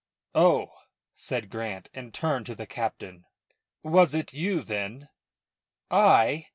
"Oh!" said Grant, and turned to the captain. "Was it you then " "I?"